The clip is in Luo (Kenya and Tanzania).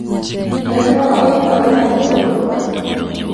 Kendo oikore mar chopo dwaro.